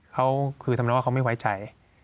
เขาคือทำแล้วว่าเขาไม่ไว้ใจ